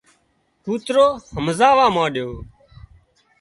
ڪوترو همزوا مانڏيو